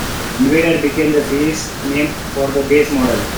Invader became the series name for the base model.